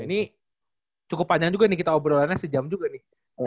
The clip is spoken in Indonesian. ini cukup panjang juga nih kita obrolannya sejam juga nih